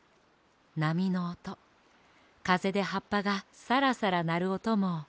なみのおとかぜではっぱがサラサラなるおともすきね。